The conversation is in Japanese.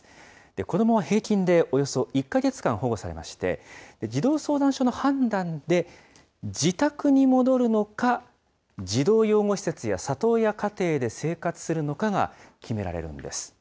子どもは平均でおよそ１か月間保護されまして、児童相談所の判断で、自宅に戻るのか、児童養護施設や里親家庭で生活するのかが決められるんです。